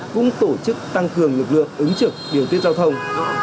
cũng tổ chức tăng cường lực lượng ứng trực điều tiết giao thông